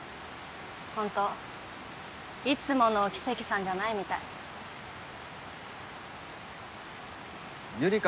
ホントいつものキセキさんじゃないみたいゆりか